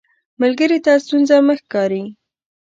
ملګری ته ستونزه مه ښکاري